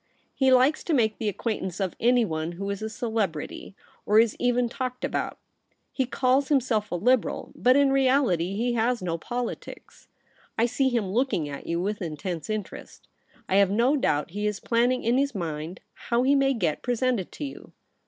He likes to make the acquaintance of anyone who Is a celebrity, or Is even talked about. He calls himself a Liberal, but in reality he 78 THE REBEL ROSE. has no politics. I see him looking at you with intense interest. I have no doubt he is planning in his mind how he may get pre sented to you.'